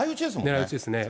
狙い打ちですね。